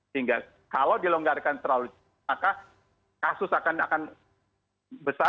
sehingga kalau dilonggarkan terlalu cepat maka kasus akan besar